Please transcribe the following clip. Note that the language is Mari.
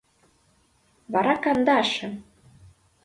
Вара кандаше.